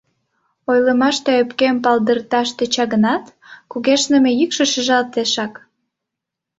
Ойлымаштыже ӧпкем палдырташ тӧча гынат, кугешныме йӱкшӧ шижалтешак.